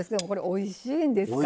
おいしいんですか。